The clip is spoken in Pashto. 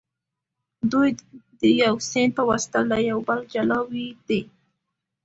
دوی د یو سیند په واسطه له یو بله جلا شوي دي.